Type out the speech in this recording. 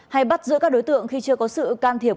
hay bắt giữ các đối tượng khi chưa có sự can thiệp